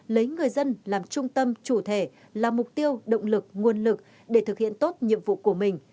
lấy người dân làm trung tâm chủ thể là mục tiêu động lực nguồn lực để thực hiện tốt nhiệm vụ của mình